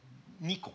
２個。